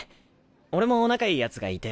俺も仲いいヤツがいて。